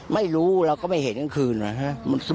ไม่รู้เราก็ไม่เห็นกลางคืนนะครับ